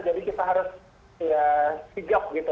jadi kita harus sigap gitu